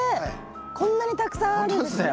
こんなにたくさんあるんですね。